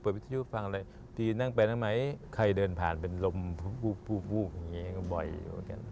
เปิดวิทยุฟังอะไรทีนั่งไปนั่งไหนใครเดินผ่านเป็นลมพูอย่างนี้ก็บ่อย